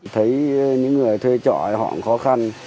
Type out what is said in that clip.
thấy những người thuê trọ họ cũng khó khăn